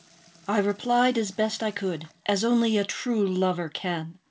I replied as best I could—as only a true lover can.